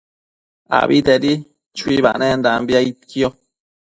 Abitedi chuibanenda aidquio